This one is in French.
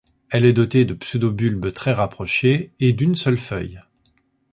Elle est dotée de pseudo-bulbes très rapprochés et d'une seule feuille.